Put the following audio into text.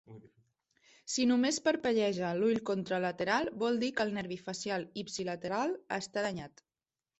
Si només parpelleja l"ull contralateral, vol dir que el nervi facial ipsilateral està danyat.